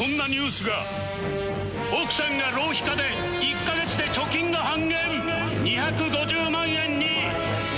奥さんが浪費家で１カ月で貯金が半減２５０万円に！？